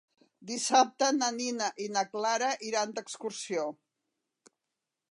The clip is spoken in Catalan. Dissabte na Nina i na Clara iran d'excursió.